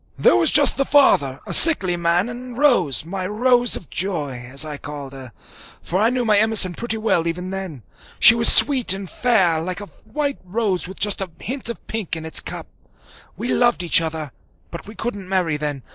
There was just the father, a sickly man, and Rose, my "Rose of joy," as I called her, for I knew my Emerson pretty well even then. She was sweet and fair, like a white rose with just a hint of pink in its cup. We loved each other, but we couldn't marry then.